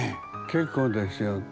結構ですよ。